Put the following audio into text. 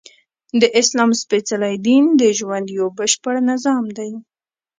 د اسلام سپیڅلی دین د ژوند یؤ بشپړ نظام دی!